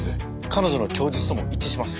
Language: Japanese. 彼女の供述とも一致します。